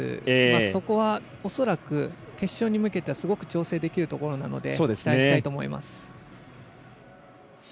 そこは、恐らく決勝に向けて調整できるところなので期待したいと思います。